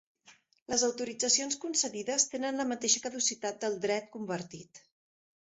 Les autoritzacions concedides tenen la mateixa caducitat del dret convertit.